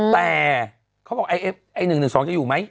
แต่เขาบอกไอ้๑๑๒จะอยู่ไหม